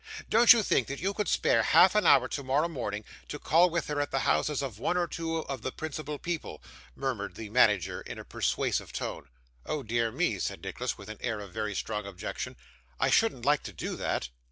'Don't you think you could spare half an hour tomorrow morning, to call with her at the houses of one or two of the principal people?' murmured the manager in a persuasive tone. 'Oh dear me,' said Nicholas, with an air of very strong objection, 'I shouldn't like to do that.